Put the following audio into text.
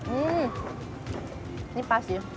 ini pas ya